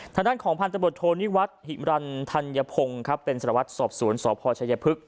ทางด้านของพันธบทโทนิวัฒน์ฮิมรันธัญพงศ์ครับเป็นสลวัสดิ์สอบศูนย์สอบภชายพฤกษ์